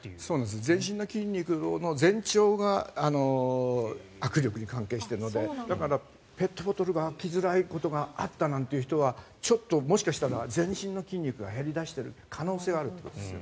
全身の筋肉の前兆が握力に関係しているのでだから、ペットボトルが開きづらいことがあったなんて人はちょっともしかしたら全身の筋肉が減り出している可能性があるということですね。